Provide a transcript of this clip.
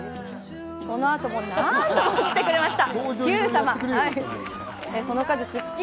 その後も何度も来てくれました。